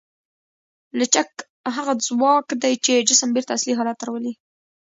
لچک هغه ځواک دی چې جسم بېرته اصلي حالت ته راولي.